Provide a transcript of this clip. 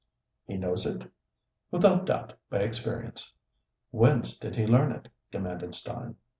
"He knows it?" "Without doubt, by experience." "Whence did he learn it?" demanded Stein.